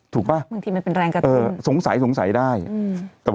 ถูกปะบางทีมันเป็นแรงกระตุ้นเออสงสัยสงสัยได้อืม